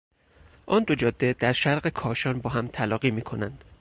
آن دو جاده در شرق کاشان با هم تلاقی میکنند.